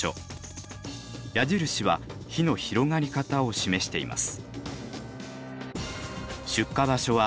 矢印は火の広がり方を示しています。